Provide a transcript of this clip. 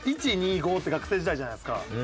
１２５って学生時代じゃないですか。